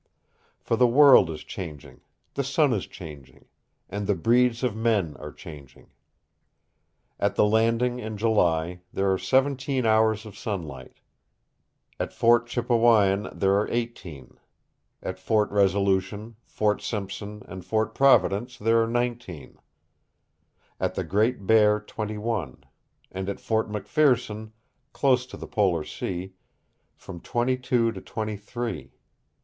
For the world is changing, the sun is changing, and the breeds of men are changing. At the Landing in July there are seventeen hours of sunlight; at Fort Chippewyan there are eighteen; at Fort Resolution, Fort Simpson, and Fort Providence there are nineteen; at the Great Bear twenty one, and at Fort McPherson, close to the polar sea, from twenty two to twenty three.